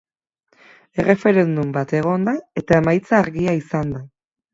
Erreferendum bat egon da eta emaitza argia izan da.